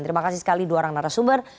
terima kasih sekali dua orang narasumber